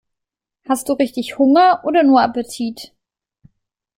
Hast du richtig Hunger oder nur Appetit?